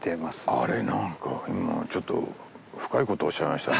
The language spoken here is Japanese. あれなんか今ちょっと深いことおっしゃいましたね。